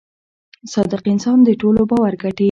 • صادق انسان د ټولو باور ګټي.